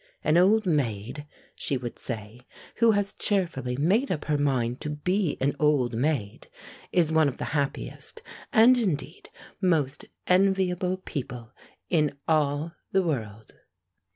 "An old maid," she would say, "who has cheerfully made up her mind to be an old maid, is one of the happiest, and, indeed, most enviable, people in all the world."